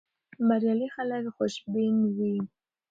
بریالي خلک خوشبین وي.